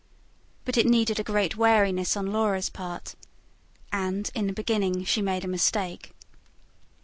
But it needed a great wariness on Laura's part. And, in the beginning, she made a mistake.